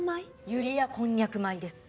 ユリヤこんにゃく米です。